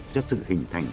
cho sự hình thành